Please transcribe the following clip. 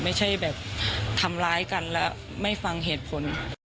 ไม่ใช่แบบทำร้ายกันแล้วไม่ฟังเหตุผล